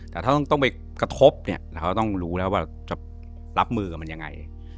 แต่ถ้าต้องไปกระทบเนี่ยเราก็ต้องรู้แล้วว่าจะรับมือกับมันยังไง